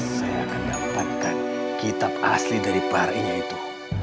saya akan dapatkan kitab asli dari para inekumayang itu